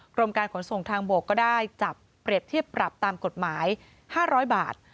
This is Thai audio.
กรมการขนส่งทางบกก็ได้จับเปรียบเทียบปรับตามกฎหมาย๕๐๐บาท